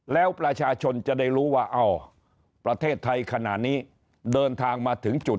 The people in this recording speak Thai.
แล้วประชาชนจะได้รู้ว่าอ๋อประเทศไทยขณะนี้เดินทางมาถึงจุด